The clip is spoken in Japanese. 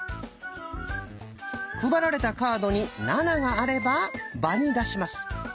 配られたカードに「７」があれば場に出します。